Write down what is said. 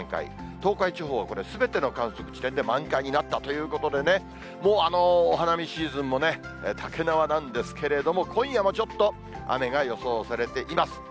東海地方はすべての観測地点で満開になったということでね、もうお花見シーズンもね、たけなわなんですけれども、今夜もちょっと雨が予想されています。